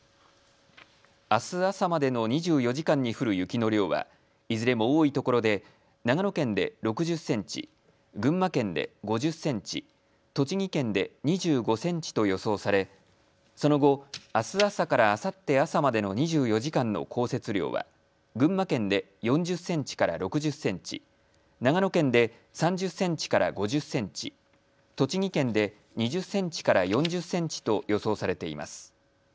あす朝までの２４時間に降る雪の量はいずれも多いところで長野県で６０センチ、群馬県で５０センチ、栃木県で２５センチと予想されその後、あす朝からあさって朝までの２４時間の降雪量は群馬県で４０センチから６０センチ、長野県で３０センチから５０センチ、栃木県で２０センチから４０センチと予想されています。